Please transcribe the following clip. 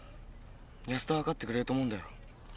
安田は分かってくれると思うんだよ。